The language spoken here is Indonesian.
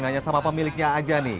nanya sama pemiliknya aja nih